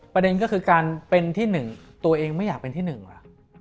ประเด็นก็คือการเป็นที่๑ตัวเองไม่อยากเป็นที่๑ว่ะ